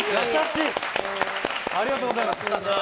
ありがとうございます。